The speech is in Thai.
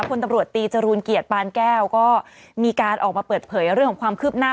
คนตำรวจตีจรูลเกียรติปานแก้วก็มีการออกมาเปิดเผยเรื่องของความคืบหน้า